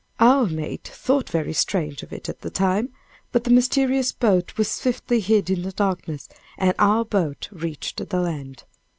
Our mate thought very strange of it at the time; but the mysterious boat was swiftly hid in the darkness, and our boat reached the land.